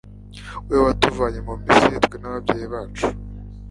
we watuvanye mu misiri twe n'ababyeyi bacu